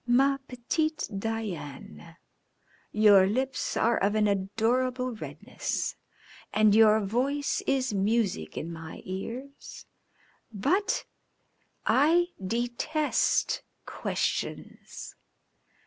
"Ma petite Diane, your lips are of an adorable redness and your voice is music in my ears, but I detest questions.